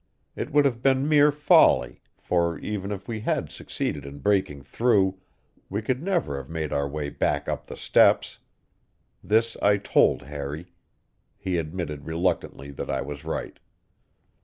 It would have been mere folly, for, even if we had succeeded in breaking through, we could never have made our way back up the steps. This I told Harry; he admitted reluctantly that I was right.